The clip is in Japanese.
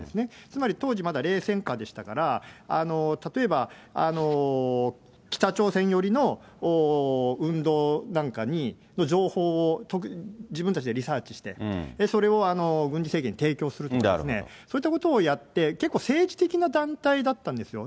つまり、当時まだ冷戦下でしたから、例えば北朝鮮寄りの運動なんかの情報を自分たちでリサーチして、それを軍事政権に提供するっていうですね、そういったことをやって、結構、政治的な団体だったんですよ。